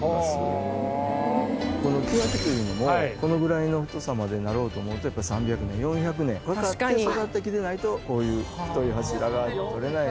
このケヤキというのもこのぐらいの太さまでになろうと思うとやっぱり３００年４００年にわたって育ってきてないとこういう太い柱が取れない。